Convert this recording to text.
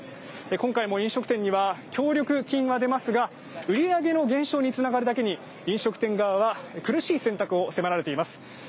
今回も飲食店には協力金は出ますが売り上げの減少につながるだけに飲食店側は苦しい選択を迫られています。